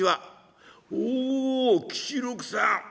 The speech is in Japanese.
「おお吉六さん